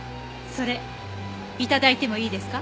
それ頂いてもいいですか？